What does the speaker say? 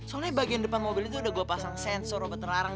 soalnya bagian depan mobil itu udah gue pasang sensor obat terlarang